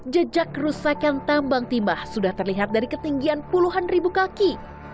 jejak kerusakan tambang timah sudah terlihat dari ketinggian puluhan ribu kaki